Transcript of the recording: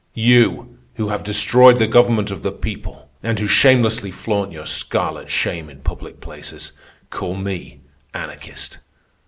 You, who have destroyed the government of the people, and who shamelessly flaunt your scarlet shame in public places, call me anarchist.